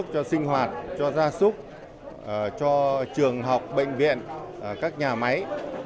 cho gia súc cho trường học bệnh viện các nhà máy